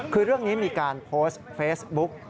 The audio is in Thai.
คือเรื่องนี้มีการโพสต์เฟซบุ๊ก